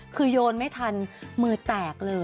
คือโยนไม่ทันมือแตกเลย